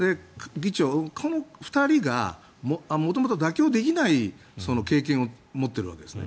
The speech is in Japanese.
この２人が元々、妥協できない経験を持ってるわけですね。